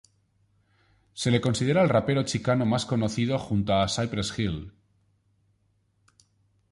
Se le considera el rapero chicano más conocido junto a Cypress Hill.